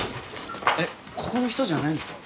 「ここの人じゃないんすか？」